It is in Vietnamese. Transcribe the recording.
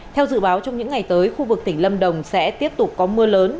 theo dự báo trong những ngày tới khu vực tỉnh lâm đồng sẽ tiếp tục có mưa lớn